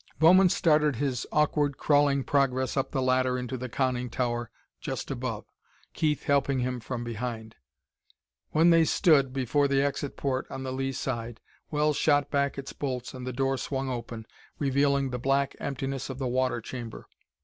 Bowman started his awkward, crawling progress up the ladder into the conning tower just above, Keith helping from behind. When they stood before the exit port on the lee side, Wells shot back its bolts and the door swung open, revealing the black emptiness of the water chamber.